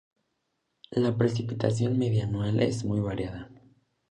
La precipitación media anual es muy variada.